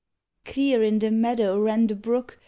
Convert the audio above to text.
Clear in the meadow ran the brook.